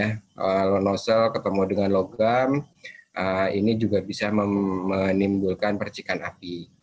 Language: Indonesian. kalau nozzle ketemu dengan logam ini juga bisa menimbulkan percikan api